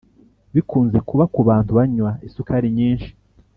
Bikunze kuba kubantu banywa isukari nyinshi